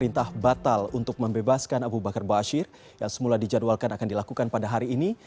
perintah batal untuk membebaskan abu bakar ⁇ baasyir ⁇ yang semula dijadwalkan akan dilakukan pada hari ini